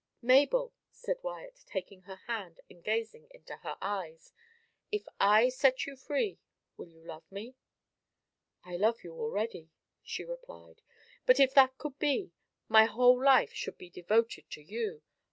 "Mabel," said Wyat, taking her hand, and gazing into her eyes, "if I set you free, will you love me?" "I love you already," she replied; "but if that could be, my whole life should be devoted to you.